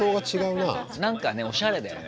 なんかねおしゃれだよね。